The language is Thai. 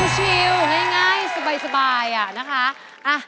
ชิลให้ง่ายสบายนะคะ